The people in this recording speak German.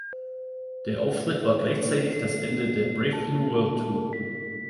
Der Auftritt war gleichzeitig das Ende der „Brave New World Tour“.